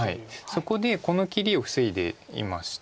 そこでこの切りを防いでいました。